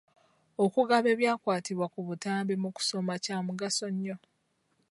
Okugaba ebyakwatibwa ku butambi mu kusoma kya mugaso nnyo.